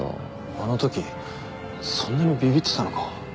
あのときそんなにビビってたのか。